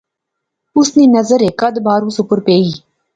اس نی نظر ہیک آدھ بار اس اوپر وی پئی